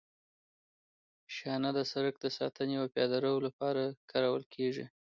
شانه د سرک د ساتنې او پیاده رو لپاره کارول کیږي